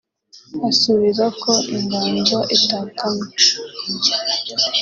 asubiza ko inganzo itakamye